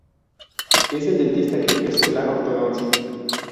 Es el dentista que ejerce la ortodoncia.